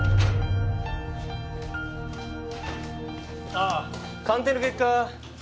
ああ鑑定の結果